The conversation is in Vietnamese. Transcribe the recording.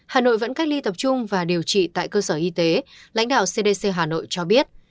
hà nội vẫn cách ly tập trung và điều trị tại cơ sở y tế lãnh đạo cdc hà nội cho biết